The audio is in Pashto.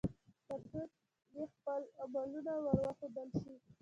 ترڅو يې خپل عملونه ور وښودل شي